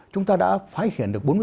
chúng ta đã phái khiển được bốn mươi ba